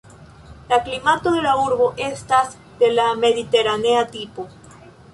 La klimato de la urbo estas de la mediteranea tipo.